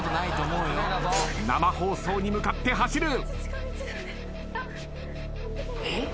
生放送に向かって走る。